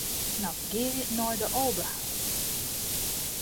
Navigearje nei de Aldehou.